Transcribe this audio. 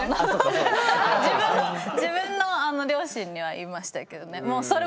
自分の両親には言いましたけどね。